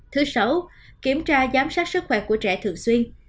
thứ sáu kiểm tra giám sát sức khỏe của trẻ thường xuyên